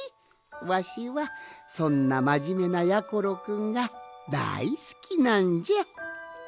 わしはそんなまじめなやころくんがだいすきなんじゃ。